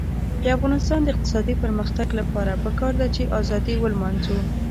د افغانستان د اقتصادي پرمختګ لپاره پکار ده چې ازادي ولمانځو.